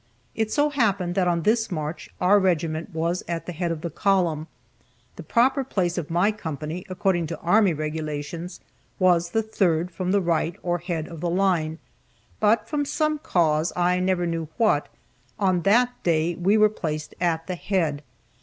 It so happened that on this march our regiment was at the head of the column. The proper place of my company, according to army regulations, was the third from the right or head of the line, but from some cause I never knew what on that day we were placed at the head.